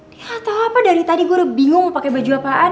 dia gak tau apa dari tadi gue udah bingung mau pake baju apaan